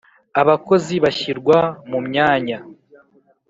abakozi bashyirwa mu myanya